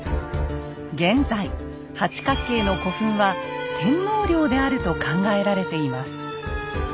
現在八角形の古墳は天皇陵であると考えられています。